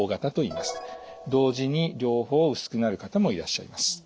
同時に両方薄くなる方もいらっしゃいます。